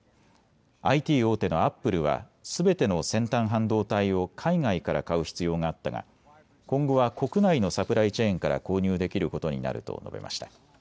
ＩＴ大手のアップルはすべての先端半導体を海外から買う必要があったが今後は国内のサプライチェーンから購入できることになると述べました。